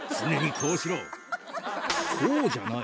こうじゃない！